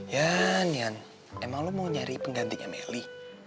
ya nian emang lo mau nyari penggantinya melly